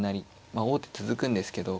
まあ王手続くんですけど。